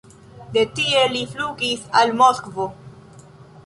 De tie li flugis al Moskvo.